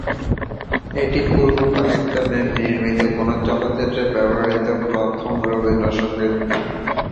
এটি পূর্ব পাকিস্তানে নির্মিত কোন চলচ্চিত্রে ব্যবহৃত প্রথম রবীন্দ্র সঙ্গীত।